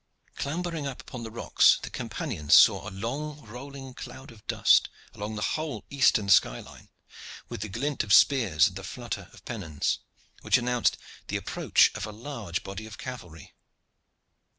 Clambering up among the rocks, the companions saw a long rolling cloud of dust along the whole eastern sky line, with the glint of spears and the flutter of pennons, which announced the approach of a large body of cavalry.